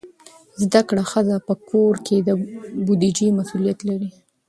زده کړه ښځه په کور کې د بودیجې مسئولیت لري.